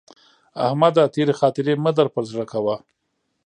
احمده! تېرې خاطرې مه در پر زړه کوه.